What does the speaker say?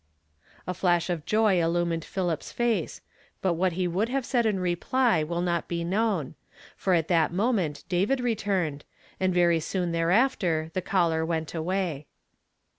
A flash of joy illumined Philip's face, but what he would have said in reply will not be known ; for at that nion)ent David returned, and very soon thereafter the caller went away.